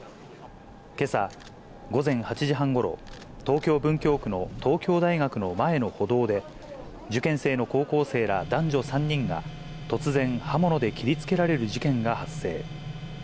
けさ午前８時半ごろ、東京・文京区の東京大学の前の歩道で、受験生の高校生ら男女３人が突然、刃物で切りつけられる事件が発生。